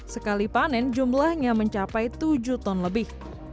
sekali panen jumlahnya mencapai tujuh ton lebih